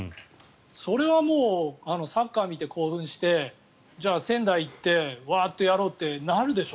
それはサッカーを見て興奮してじゃあ、仙台に行ってワーッとやろうとなるでしょ